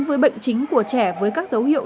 với bệnh chính của trẻ với các dấu hiệu